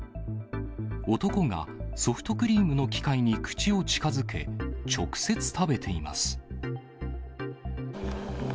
男がソフトクリームの機械に口を近づけ、直接食べています。